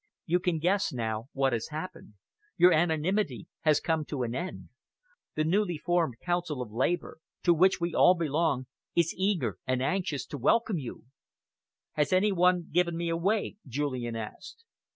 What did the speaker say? You can guess now what has happened. Your anonymity has come to an end. The newly formed Council of Labour, to which we all belong, is eager and anxious to welcome you." "Has any one given me away?" Julian asked.